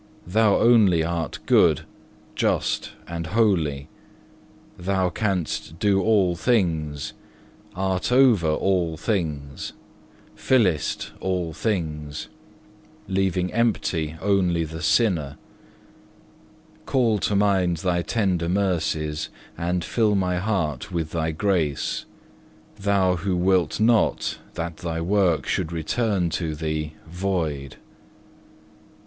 Thou only art good, just and holy; Thou canst do all things, art over all things, fillest all things, leaving empty only the sinner. Call to mind Thy tender mercies, and fill my heart with Thy grace, Thou who wilt not that Thy work should return to Thee void. 7.